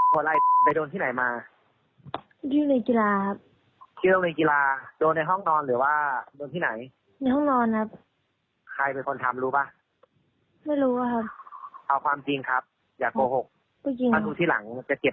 เป้าหมอบทำลายเมื่อเนี้ย